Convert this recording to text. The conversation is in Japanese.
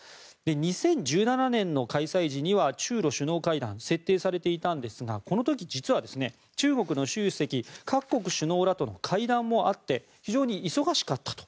２０１７年の開催時には中ロ首脳会談設定されていたんですがこの時、実は中国の習主席、各国の首脳らとの会談もあって非常に忙しかったと。